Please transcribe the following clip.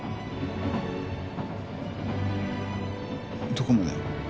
どこまで？